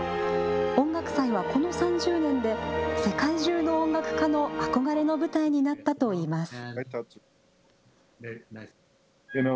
音楽祭はこの３０年で世界中の音楽家の憧れの舞台になったといいます。